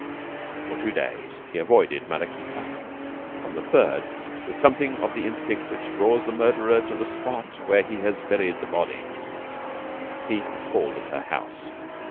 For two days he avoided Maraquita. On the third, with something of the instinct which draws the murderer to the spot where he has buried the body, he called at her house.